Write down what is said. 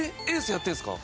ＡＣＥやってるんですか？